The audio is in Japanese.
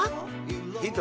ヒント